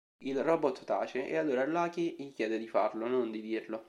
Il robot tace, e allora Lucky gli chiede di farlo, non di dirlo.